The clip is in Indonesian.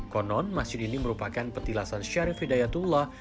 konon masjid ini merupakan petilasan syarif hidayatullah